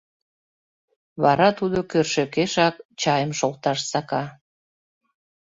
Вара тудо кӧршӧкешак чайым шолташ сака.